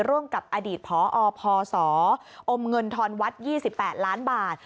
ร่วมกับอดีตพอพศอมเงินทรวรรษยี่สิบแปดล้านบาท